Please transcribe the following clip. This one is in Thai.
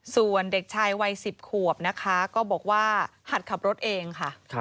ส่วนเด็กชายวัย๑๐ขวบนะคะก็บอกว่าหัดขับรถเองค่ะ